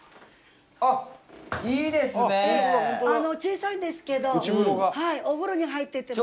小さいんですけどお風呂に入ってても。